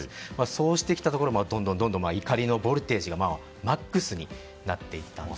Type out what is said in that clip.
そうしてきたところどんどん怒りのボルテージがマックスになっていったんです。